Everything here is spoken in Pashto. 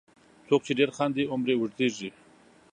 • څوک چې ډېر خاندي، عمر یې اوږدیږي.